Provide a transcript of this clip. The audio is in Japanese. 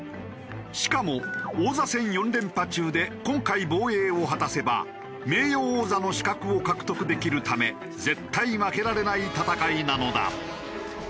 しかも王座戦４連覇中で今回防衛を果たせば名誉王座の資格を獲得できるため絶対負けられない戦いなのだ。